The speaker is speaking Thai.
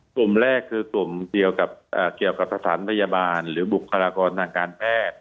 กลุ่มแรกคือกลุ่มเกี่ยวกับสถานพยาบาลหรือบุคลากรทางการแพทย์